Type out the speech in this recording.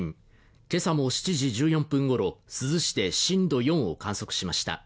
今朝も７時１４分ごろ、珠洲市で震度４を観測しました。